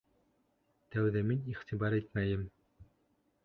Тәүҙә мин иғтибар итмәйем.